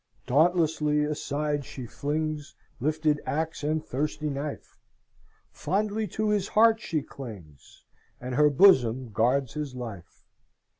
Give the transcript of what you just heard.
"Dauntlessly aside she flings Lifted axe and thirsty knife; Fondly to his heart she clings, And her bosom guards his life!